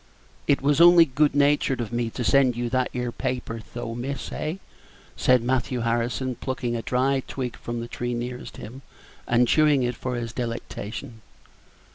"It was only good natured of me to send you that 'ere paper, though, miss, eh?" said Mr. Matthew Harrison, plucking a dry twig from the tree nearest him, and chewing it for his delectation.